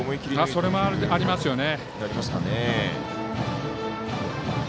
それもありますよね。